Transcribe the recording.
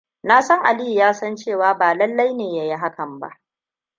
Na san Aliyu ya san cewa ba lallai ne ya yi hakan ba.